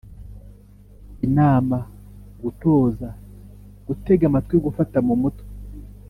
inama, gutoza gutega amatwi, gufata mu mutwe,…